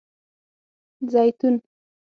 🫒 زیتون